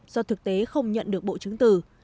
do thực tế không nhận được bộ chứng từ